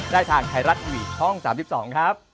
ได้ทางไทยรัฐทีวีช่อง๓๒ครับ